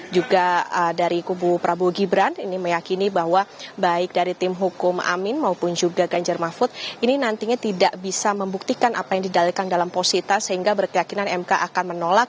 juga dari kubu prabowo gibran ini meyakini bahwa baik dari tim hukum amin maupun juga ganjar mahfud ini nantinya tidak bisa membuktikan apa yang didalikan dalam posisita sehingga berkeyakinan mk akan menolak